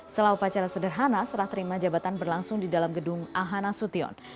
setelah upacara sederhana serah terima jabatan berlangsung di dalam gedung ahana sution